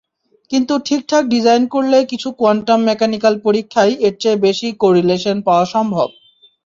কিন্তু ঠিকঠাক ডিজাইন করলে কিছু কোয়ান্টাম মেকানিক্যাল পরীক্ষায় এরচেয়ে বেশি কো-রিলেশন পাওয়া সম্ভব।